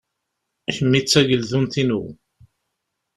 Kemmi d tageldunt-inu.